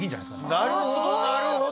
なるほどなるほど。